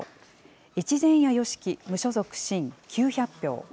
越前谷由樹、無所属・新、９００票。